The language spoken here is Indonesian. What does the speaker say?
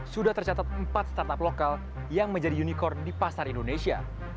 sudah tercatat empat startup lokal yang menjadi unicorn di pasar indonesia